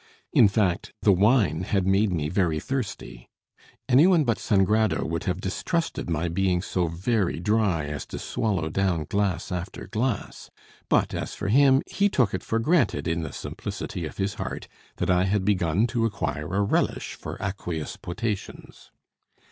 In fact, the wine had made me very thirsty. Any one but Sangrado would have distrusted my being so very dry as to swallow down glass after glass; but, as for him, he took it for granted in the simplicity of his heart that I had begun to acquire a relish for aqueous potations.